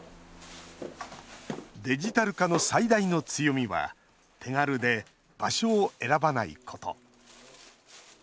デジタル化の最大の強みは手軽で場所を選ばないこと。